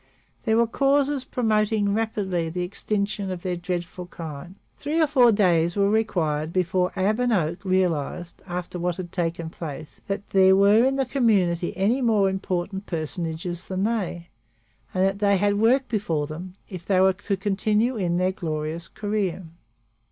There were causes promoting rapidly the extinction of their dreadful kind. Three or four days were required before Ab and Oak realized, after what had taken place, that there were in the community any more important personages than they, and that they had work before them, if they were to continue in their glorious career.